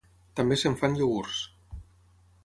També se'n fan iogurts.